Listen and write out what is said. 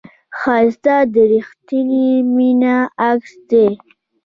ښایست د رښتینې مینې عکس دی